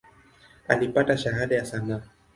Alipata Shahada ya sanaa.